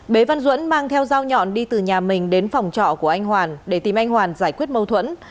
bế văn duẫn mang theo dao nhọn đi từ nhà mình đến phòng trọ của anh hoàn để tìm anh hoàn giải quyết mâu thuẫn